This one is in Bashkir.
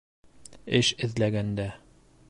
Эш эҙләгәндә